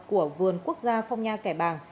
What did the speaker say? của vườn quốc gia phong nha kẻ bàng